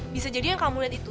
bisa jadi yang kamu lihat itu